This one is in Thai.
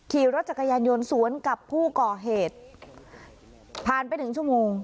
ขี่รถจักรยานยนต์สวนกับผู้ก่อเหตุผ่านไปหนึ่งชั่วโมง